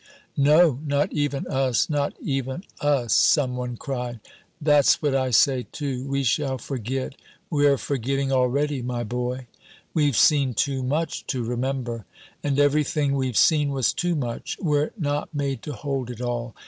"No, not even us, not even us!" some one cried. "That's what I say, too. We shall forget we're forgetting already, my boy!" "We've seen too much to remember." "And everything we've seen was too much. We're not made to hold it all.